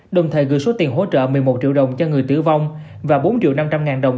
đồng thời gửi số tiền hỗ trợ một mươi một triệu đồng cho người tử vong và bốn triệu năm trăm linh ngàn đồng